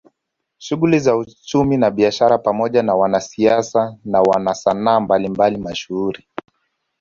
Shughuli za uchumi na kibiashara pamoja na wanasiasa na wanasanaa mbalimbali mashuhuri